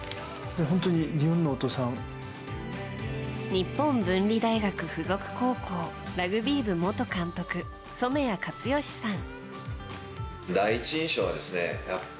日本文理大学附属高校ラグビー部元監督染矢勝義さん。